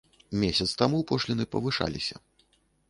Месяц таму пошліны павышаліся.